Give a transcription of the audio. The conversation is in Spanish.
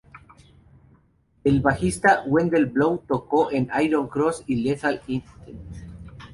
El bajista Wendel Blow toco con Iron Cross y Lethal Intent.